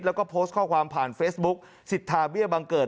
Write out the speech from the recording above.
แล้วก็โพสต์ข้อความผ่านเฟซบุ๊กสิทธาเบี้ยบังเกิด